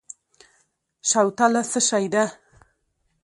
شوتله څه شی ده؟